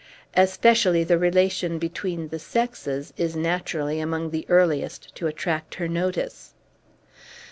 Especially the relation between the sexes is naturally among the earliest to attract her notice.